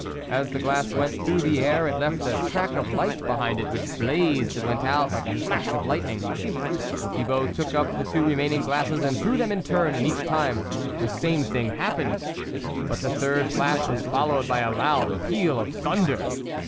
As the glass went through the air it left a track of light behind it, which blazed and went out like a flash of lightning. Thibault took up the two remaining glasses and threw them in turn, and each time the same thing happened, but the third flash was followed by a loud peal of thunder.